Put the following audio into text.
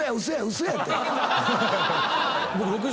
嘘やって！